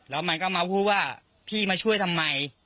แล้วมันก็มาพูดว่าพี่มาช่วยทำไม